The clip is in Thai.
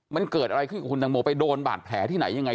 มันเกิดอะไรขึ้นกับคุณตังโมไปโดนบาดแผลที่ไหนยังไง